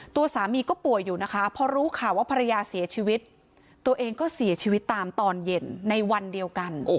ตัวสามีก็ป่วยอยู่นะคะพอรู้ข่าวว่าภรรยาเสียชีวิตตัวเองก็เสียชีวิตตามตอนเย็นในวันเดียวกัน